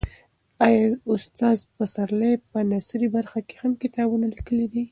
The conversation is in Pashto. آیا استاد پسرلی په نثري برخه کې هم کتابونه لیکلي دي؟